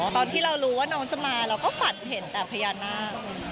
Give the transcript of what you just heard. ตอนที่เรารู้ว่าน้องจะมาเราก็ฝันเห็นแต่พญานาค